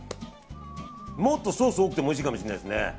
もっとソース多くてもおいしいかもしれないですね。